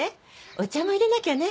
お茶も入れなきゃね。